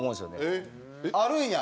あるんや。